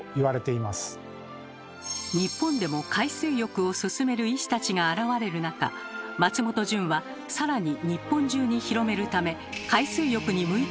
日本でも海水浴をすすめる医師たちが現れる中松本順は更に日本中に広めるためあきた。